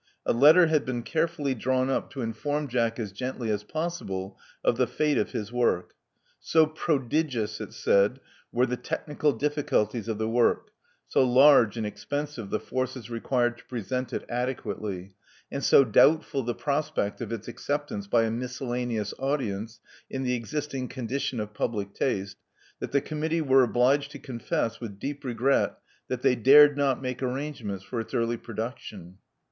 A letter had been carefully drawn up to inform Jack as gently as possible of the fate of his work. *'So prodigious," it said, were the technical difficulties of the work; so large and expensive the forces required to present it adequately; and so doubtful the prospect of its acceptance by a miscellaneous audience in the existing condition of public taste, that the Committee were obliged to confess, with deep regret, that they dared not make arrangements for its early production.